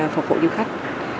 phục vụ du khách